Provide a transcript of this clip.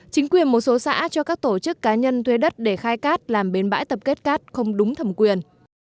chính quyền một số xã cho các tổ chức cá nhân thuê đất để khai cát làm bến bãi tập kết cát không đúng thẩm quyền